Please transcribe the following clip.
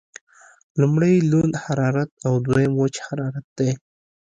لمړی لوند حرارت او دویم وچ حرارت دی.